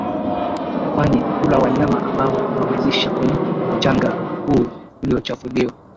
kwani hula wanyama ambao wamelisha kwenye mchanga huu uliochafuliwa